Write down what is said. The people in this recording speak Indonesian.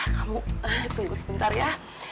kamu tunggu sebentar ya